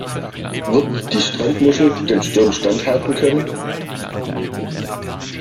Wird die Strandmuschel dem Sturm standhalten können?